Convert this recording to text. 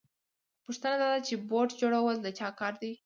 پوښتنه دا ده چې بوټ جوړول د چا کار دی